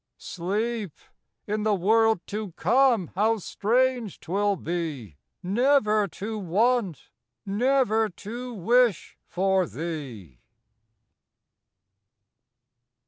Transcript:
Sleep, in the world to come how strange't will be Never to want, never to wish for thee